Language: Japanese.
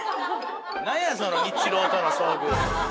なんやそのニッチローとの遭遇。